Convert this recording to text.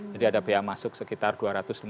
jadi ada biaya masuk sekitar dua ratus triliun